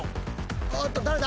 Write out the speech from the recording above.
おっと誰だ？